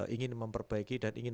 ingin memperbaiki dan ingin